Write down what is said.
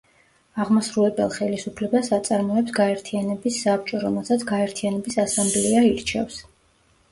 აღმასრულებელ ხელისუფლებას აწარმოებს გაერთიანების საბჭო, რომელსაც გაერთიანების ასამბლეა ირჩევს.